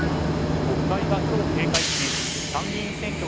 国会が今日、閉会し参議院選挙